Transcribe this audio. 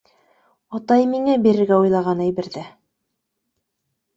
— Атай миңә бирергә уйлаған әйберҙе.